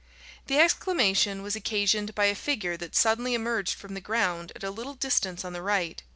The exclamation was occasioned by a figure that suddenly emerged from the ground at a little distance on the right.